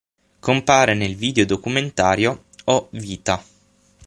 Compare nel video documentario Oh, Vita!